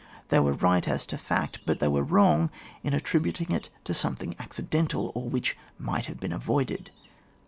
They were right as to fact, but they were wrong in attributing it to something accidental, or which might have been avoided.